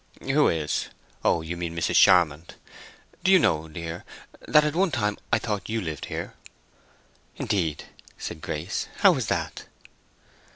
"Who is?—oh, you mean Mrs. Charmond. Do you know, dear, that at one time I thought you lived here." "Indeed!" said Grace. "How was that?"